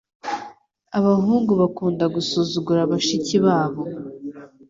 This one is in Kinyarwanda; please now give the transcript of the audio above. Abahungu bakunda gusuzugura bashiki babo.